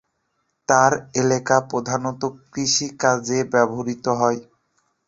তার এলাকা প্রধানত কৃষি কাজে ব্যবহৃত হয়।